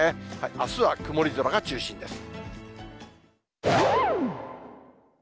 あすは曇り空が中心です。